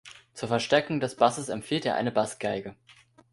Zur Verstärkung des Basses empfiehlt er eine Bassgeige.